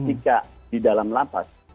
tidak di dalam lapas